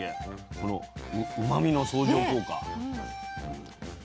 このうまみの相乗効果。